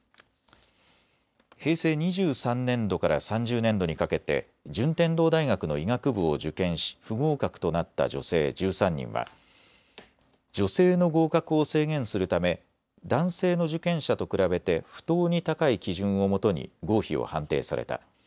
平成２３年度から３０年度にかけて順天堂大学の医学部を受験し不合格となった女性１３人は女性の合格を制限するため男性の受験者と比べて不当に高い基準をもとに合否を判定された。